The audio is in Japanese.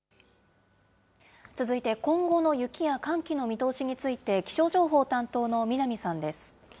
続いて今後の雪や寒気の見通しについて、気象情報担当の南さんです。